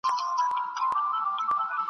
هغه څوک چې قانون ته درناوی کوي ښه ښاری ل دی.